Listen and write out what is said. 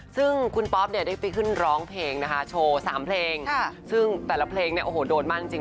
ซึ่งคุณป๊อปเนี่ยได้ไปขึ้นร้องเพลงนะคะโชว์๓เพลงซึ่งแต่ละเพลงเนี่ยโอ้โหโดนมากจริง